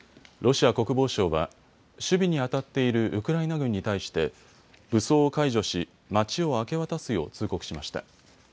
ロシア国防省は守備にあたっているウクライナ軍に対して武装を解除し町を明け渡すよう通告しました。